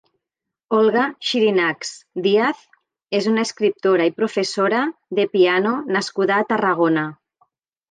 Olga Xirinacs Díaz és una escriptora i professora de piano nascuda a Tarragona.